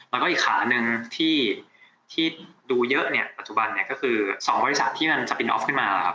แล้วก็อีกขาหนึ่งที่ดูเยอะปัจจุบันก็คือ๒บริษัทที่มันสปินออฟขึ้นมา